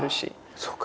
そうか。